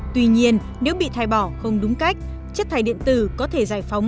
tuy nhiên nếu bị thải bỏ không đúng cách chất thải điện tử có thể giải phóng